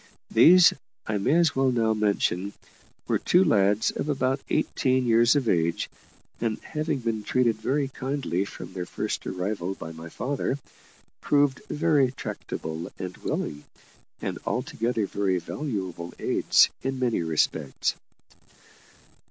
These, I may as well now mention, were two lads of about eighteen years of age, and, having been treated very kindly from their first arrival by my father, proved very tractable and willing, and altogether very valuable aids in many respects.